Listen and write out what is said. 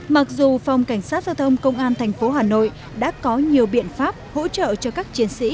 mặc dù phòng cảnh sát giao thông công an thành phố hà nội đã có nhiều biện pháp hỗ trợ cho các chiến sĩ